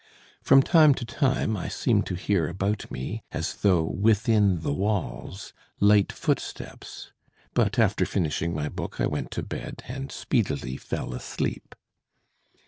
From time to time I seemed to hear about me, as though within the walls, light footsteps; but after finishing my book I went to bed, and speedily fell asleep.